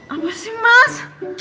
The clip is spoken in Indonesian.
apa sih mas